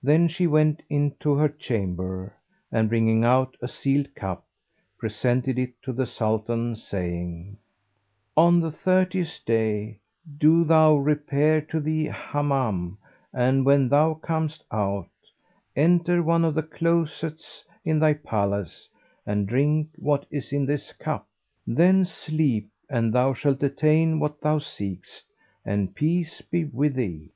Then she went in to her chamber and bringing out a sealed cup, presented it to the Sultan saying, 'On the thirtieth day, do thou repair to the Hammam and when thou comest out, enter one of the closets in thy palace and drink what is in this cup. Then sleep, and thou shalt attain what thou seekest, and peace be with thee'!